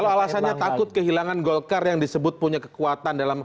kalau alasannya takut kehilangan golkar yang disebut punya kekuatan dalam